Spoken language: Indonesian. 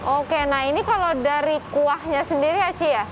oke nah ini kalau dari kuahnya sendiri aci ya